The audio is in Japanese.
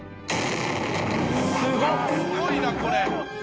すごいな、これ。